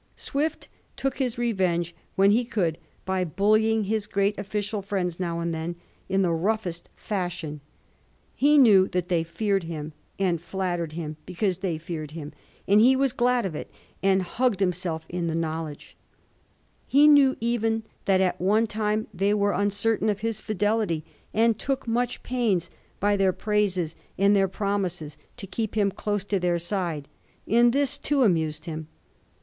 Swift took his revenge when he could by bullying his great official fiiends now and then in the roughest fashion. He knew that they feared him, and flattered him because they feared him, and he was glad of it, and hugged himself in the knowledge. He knew even that at one time they were uncertain of his fidelity, and took much pains by their priuses and their Digiti zed by Google 48 A HISTORY OF THE FOUR GEORGES. ch. lu promises to keep him close at their side ; and this, too, amused him.